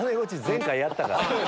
前回やったから。